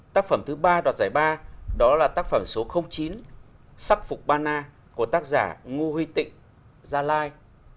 tác phẩm thứ ba đoạt giải ba đó là tác phẩm số chín sắc phục ban na của tác giả ngô huy tịnh gia lai